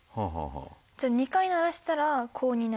じゃあ２回鳴らしたら「こ」になる。